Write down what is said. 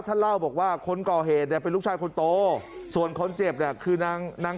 เล่าบอกว่าคนก่อเหตุเนี่ยเป็นลูกชายคนโตส่วนคนเจ็บเนี่ยคือนางนาง